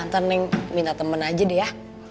ntar neng minta temen aja deh ya